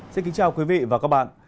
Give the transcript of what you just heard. xin kính chào quý vị và các bạn